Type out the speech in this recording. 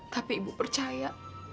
tapi ibu percaya